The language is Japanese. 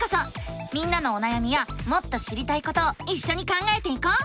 みんなのおなやみやもっと知りたいことをいっしょに考えていこう！